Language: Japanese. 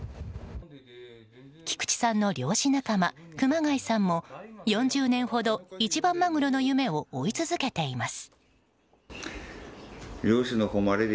菊池さんの漁師仲間熊谷さんも４０年ほど、一番マグロの夢を追い続けています。